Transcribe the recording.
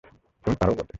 তুমি পারোও বটে!